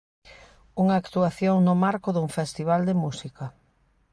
Unha actuación no marco dun festival de música.